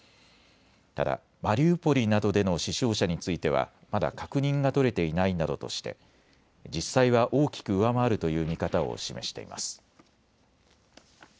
ただマリウポリなどでの死傷者についてはまだ確認が取れていないなどとして実際は大きく上回るという見方を示しています。